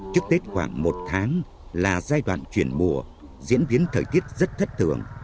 trước tết khoảng một tháng là giai đoạn chuyển mùa diễn biến thời tiết rất thất thường